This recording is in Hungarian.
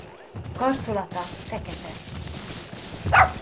Karcolata fekete.